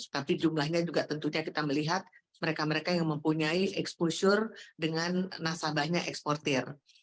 tapi jumlahnya juga tentunya kita melihat mereka mereka yang mempunyai exposure dengan nasabahnya eksportir